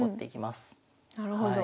なるほど。